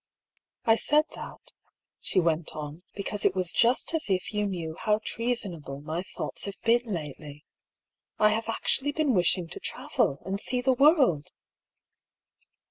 " I said that," she went on, " because it was just as if you knew how treasonable my thoughts have been lately. I have actually been wishing to travel, and see the world